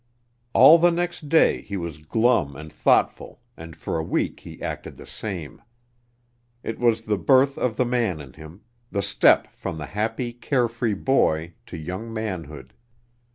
All the next day he was glum and thoughtful and for a week he acted the same. It was the birth of the man in him; the step from the happy, care free boy to young manhood.